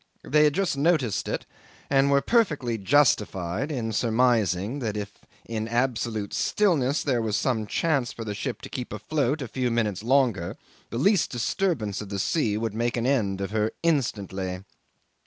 They had just noticed it, and were perfectly justified in surmising that if in absolute stillness there was some chance for the ship to keep afloat a few minutes longer, the least disturbance of the sea would make an end of her instantly.